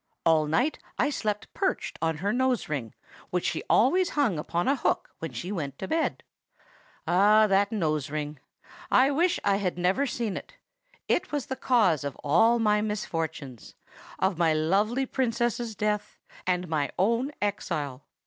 All night I slept perched on her nose ring, which she always hung upon a hook when she went to bed. "Ah! that nose ring! I wish I had never seen it. It was the cause of all my misfortunes,—of my lovely Princess's death and my own exile.